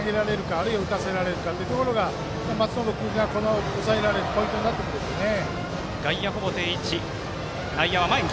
あるいは打たせられるかというところが松延君が抑えられるポイントになってくるでしょうね。